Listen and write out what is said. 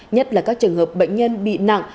nhất là các trường hợp bệnh nhân bị nặng